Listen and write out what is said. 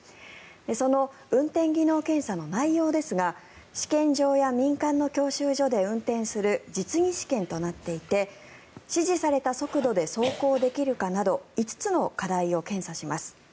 その運転技能検査の内容ですが試験場や民間の教習所で運転する実技試験となっていて指示された速度で走行できるかなど５つの課題を検査します。